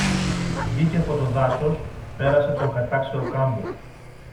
Βγήκε από το δάσος, πέρασε τον κατάξερο κάμπο